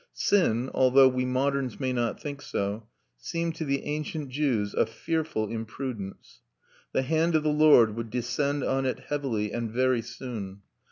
Sin, although we moderns may not think so, seemed to the ancient Jews a fearful imprudence. The hand of the Lord would descend on it heavily, and very soon.